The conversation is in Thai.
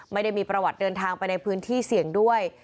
ไม่ได้มีประวัติเดินทางไปในพื้นที่เสี่ยงด้วย